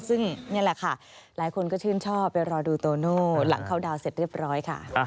ซึ่งนี่แหละค่ะหลายคนก็ชื่นชอบไปรอดูโตโน่หลังเข้าดาวนเสร็จเรียบร้อยค่ะ